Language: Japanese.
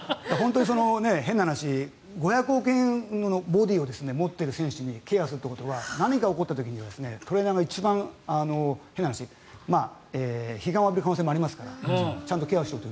変な話５００億円のボディーを持っている選手をケアするということは何か起こった時トレーナーが一番、変な話批判を浴びる可能性もありますからちゃんとケアしろと。